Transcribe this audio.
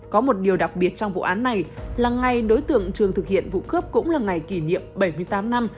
có một điều đặc biệt trong vụ án này là ngày đối tượng trường thực hiện vụ cướp cũng là ngày kỷ niệm bảy mươi tám năm